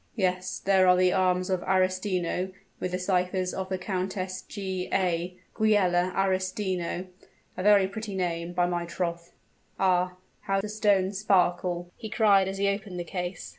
"Yes, there are the arms of Arestino, with the ciphers of the Countess, G. A. Giulia Arestino a very pretty name, by my troth! Ah, how the stones sparkle!" he cried, as he opened the case.